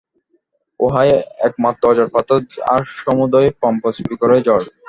উহাই একমাত্র অজড় পদার্থ, আর সমুদয় প্রপঞ্চ-বিকারই জড়।